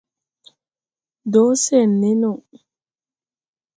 Do sen ne no :